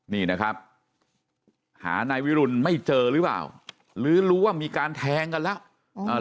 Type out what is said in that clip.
นี่นะครับหานายวิรุณไม่เจอหรือเปล่าหรือรู้ว่ามีการแทงกันแล้ว